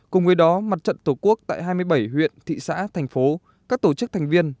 cùng với đó mặt trận tổ quốc tại hai mươi bảy huyện thị xã thành phố các tổ chức thành viên